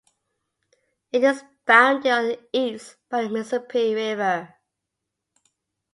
It is bounded on the east by the Mississippi River.